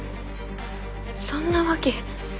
そんなわけ。